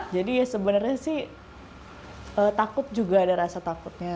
jadi ya sebenarnya sih takut juga ada rasa takutnya